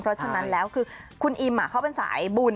เพราะฉะนั้นแล้วคือคุณอิมเขาเป็นสายบุญ